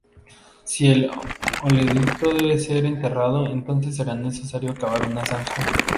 Si el oleoducto debe ser enterrado, entonces será necesario cavar una zanja.